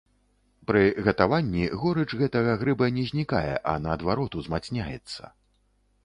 Пры гатаванні горыч гэтага грыба не знікае, а наадварот, узмацняецца.